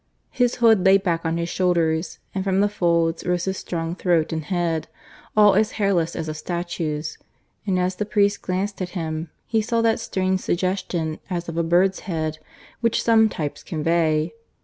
His hood lay back on his shoulders, and from its folds rose his strong throat and head, all as hairless as a statue's; and as the priest glanced at him he saw that strange suggestion as of a bird's head which some types convey.